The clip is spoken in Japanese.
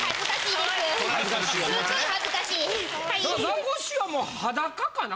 ザコシはもう裸かな？